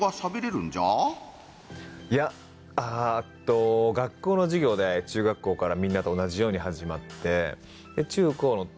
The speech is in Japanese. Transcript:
いやあっと学校の授業で中学校からみんなと同じように始まって。